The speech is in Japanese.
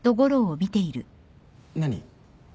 何？